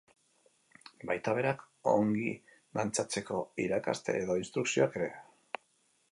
Baita berac ongui dantzatzeko iracaste edo instruccioak ere.